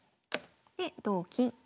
で同金。